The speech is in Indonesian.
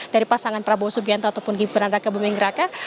dari pasangan prabowo subianto ataupun gibran raka buming raka